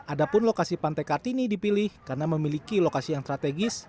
ada pun lokasi pantai kartini dipilih karena memiliki lokasi yang strategis